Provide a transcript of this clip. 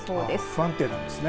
不安定なんですね。